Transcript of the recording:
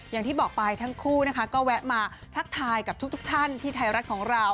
อย่างที่บอกไปทั้งคู่นะคะก็แวะมาทักทายกับทุกท่านที่ไทยรัฐของเรา